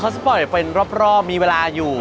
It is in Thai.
เขาจะปล่อยไปรอบมีเวลาอยู่